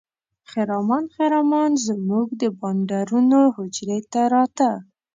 خرامان خرامان زموږ د بانډارونو حجرې ته راته.